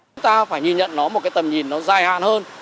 chúng ta phải nhìn nhận nó một cái tầm nhìn nó dài hạn hơn